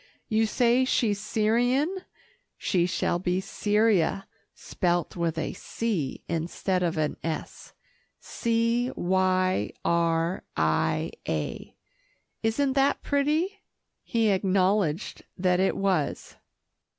You say she's Syrian. She shall be Cyria, spelt with a 'C' instead of an 'S' C y r i a isn't that pretty?" He acknowledged that it was.